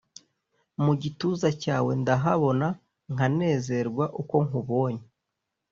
mugituza cyawe ndahabona nkanezerwa uko nkubonye